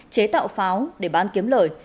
chế tạo pháo để bán kiếm lời